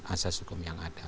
asas hukum yang ada